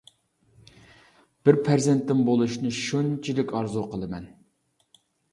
بىر پەرزەنتىم بولۇشىنى شۇنچىلىك ئارزۇ قىلىمەن.